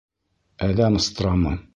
Әҙәм страмы!